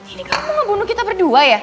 ini kamu ngebunuh kita berdua ya